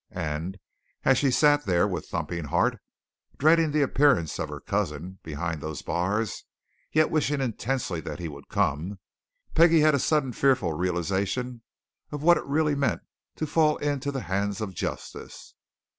And as she sat there with thumping heart, dreading the appearance of her cousin behind those bars, yet wishing intensely that he would come, Peggie had a sudden fearful realization of what it really meant to fall into the hands of justice.